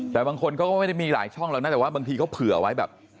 แต่บางคนเขาก็ไม่ได้มีหลายช่องหรอกนะแต่ว่าบางทีเขาเผื่อไว้แบบ